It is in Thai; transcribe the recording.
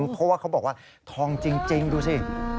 เพราะว่าเขาบอกว่าทองจริงดูสิ